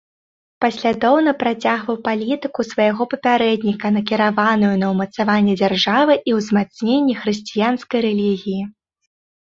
Паслядоўна працягваў палітыку свайго папярэдніка, накіраваную на ўмацаванне дзяржавы і ўзмацненне хрысціянскай рэлігіі.